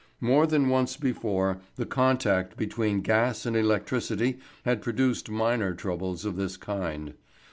More than once before, the contact between gas and electricity had produced minor troubles of this kind.